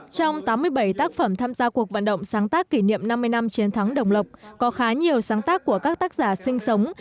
trong tám mươi bảy tác phẩm tham gia cuộc vận động sáng tác kỷ niệm năm mươi năm chiến thắng đồng lộc có khá nhiều sáng tác của các tác giả sinh sống